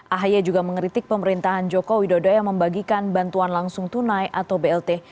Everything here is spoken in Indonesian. ahaya juga mengeritik pemerintahan joko widodo yang membagikan bantuan langsung tunai atau blt